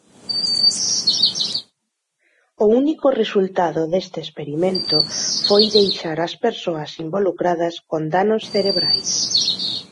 O único resultado deste experimento foi deixar ás persoas involucradas con danos cerebrais.